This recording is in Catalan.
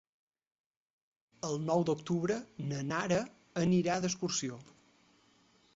El nou d'octubre na Nara anirà d'excursió.